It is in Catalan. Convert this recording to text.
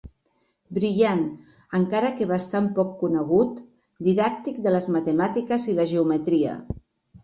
Brillant, encara que bastant poc conegut, didàctic de les matemàtiques i la geometria.